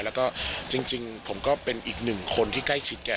แล้วก็จริงผมก็เป็นอีกหนึ่งคนที่ใกล้ชิดแก